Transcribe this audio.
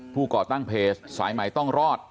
ผู้เกาะตั้งเพจสายใหม่ต้องรอด